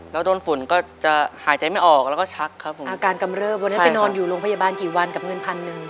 แล้วโดนฝุ่นก็จะหายใจไม่ออกแล้วก็ชักครับผมอาการกำเริบวันนั้นไปนอนอยู่โรงพยาบาลกี่วันกับเงินพันหนึ่ง